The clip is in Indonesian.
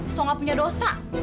soal gak punya dosa